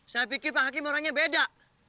saya pikir hakim orangnya beda